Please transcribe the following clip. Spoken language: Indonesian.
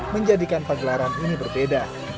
menjadikan pegelaran ini berbeda